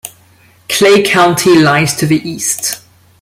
Clay County lies to the east.